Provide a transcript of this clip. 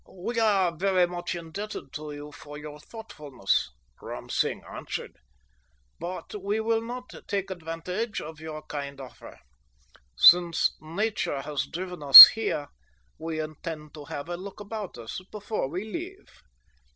"We are very much indebted to you for your thoughtfulness," Ram Singh answered; "but we will not take advantage of your kind offer. Since Nature has driven us here we intend to have a look about us before we leave."